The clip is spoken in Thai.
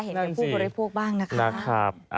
เห็นแก่ผู้บริษัทบ้างนะคะ